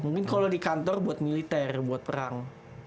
mungkin kalau di kantor buat militer buat perang